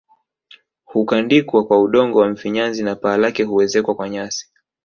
Hukandikwa kwa udongo wa mfinyanzi na paa lake huezekwa kwa nyasi